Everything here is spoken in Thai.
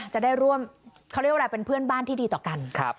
จะได้ร่วมเขาเรียกว่าอะไรเป็นเพื่อนบ้านที่ดีต่อกัน